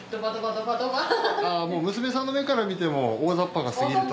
娘さんの目から見ても大ざっぱがすぎると。